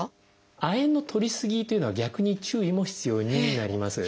亜鉛のとりすぎというのは逆に注意も必要になります。